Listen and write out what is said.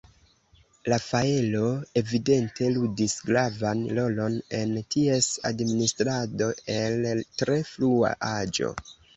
Rafaelo evidente ludis gravan rolon en ties administrado el tre frua aĝo.